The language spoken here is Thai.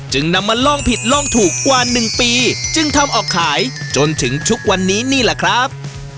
นำมาลองผิดลองถูกกว่า๑ปีจึงทำออกขายจนถึงทุกวันนี้นี่แหละครับ